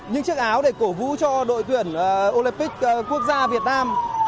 những chiếc áo để cổ vũ cho đội tuyển olympic quốc gia việt nam